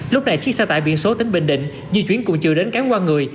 lúc này chiếc xe tải biển số tính bình định di chuyển cùng chừa đến cán qua người